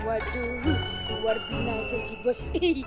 aduh luar biasa si bos